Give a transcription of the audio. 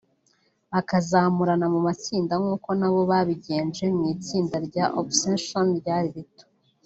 bakazamurana mu matsinda nk’uko nabo babigenje mu itsinda rya Obsessions ryari rito